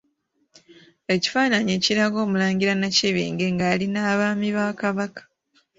Ekifaananyi ekiraga Omulangira Nakibinge nga ali n'Abaami ba Kabaka.